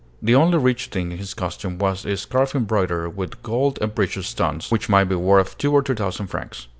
The only rich thing in his costume was a scarf embroidered with gold and precious stones, which might be worth two or three thousand francs.